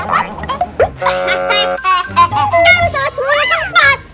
kan selesai sepuluh tempat